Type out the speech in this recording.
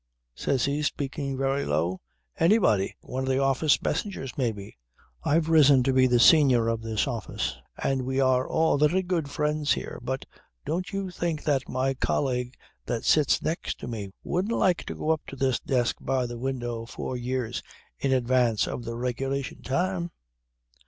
says he, speaking very low. "Anybody. One of the office messengers maybe. I've risen to be the Senior of this office and we are all very good friends here, but don't you think that my colleague that sits next to me wouldn't like to go up to this desk by the window four years in advance of the regulation time?